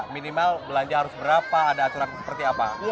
minimal belanja harus berapa ada aturan seperti apa